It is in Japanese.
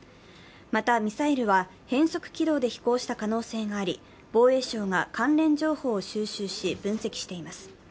また、ミサイルは変則軌道で飛行した可能性があり、防衛省が関連情報を収集し、分析しています。